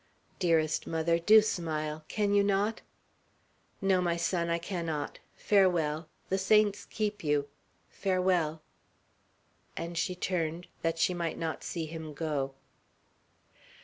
"Dearest mother! Do smile! Can you not?" "No, my son, I cannot. Farewell. The saints keep you. Farewell." And she turned, that she might not see him go.